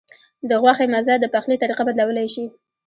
د غوښې مزه د پخلي طریقه بدلولی شي.